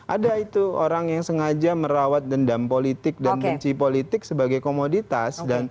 ada itu orang yang sengaja merawat dendam politik dan benci politik sebagai komoditas